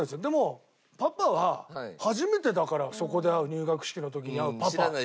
でもパパは初めてだからそこで会う入学式の時に会うパパ。